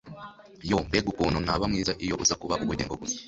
Yoo mbega ukuntu naba mwiza iyo uza kuba ubugingo gusa